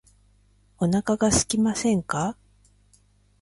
お腹がすきませんか